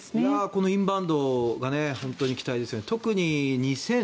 このインバウンドが本当に期待ですよね。